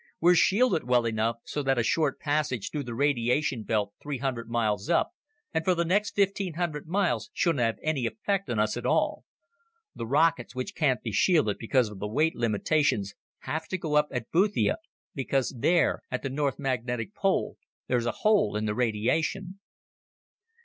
We're shielded well enough so that a short passage through the radiation belt three hundred miles up and for the next fifteen hundred miles shouldn't have any effect on us at all. The rockets, which can't be shielded because of the weight limitations, have to go up at Boothia because there, at the North Magnetic Pole, there's a hole in the radiation."